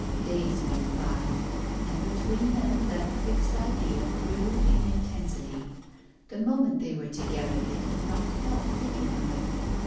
Days went by, and between them that fixed idea grew in intensity. The moment they were together they could not help thinking of it.